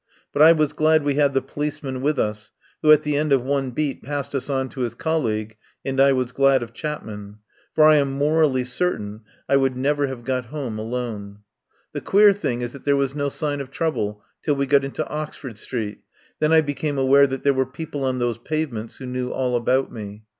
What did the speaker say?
But I was glad we had the policeman with us, who at the end of one beat passed us on to his col league, and I was glad of Chapman. For I am morally certain I would never have got home alone. The queer thing is that there was no sign of trouble till we got into Oxford Street Then I became aware that there were people on those pavements who knew all about me.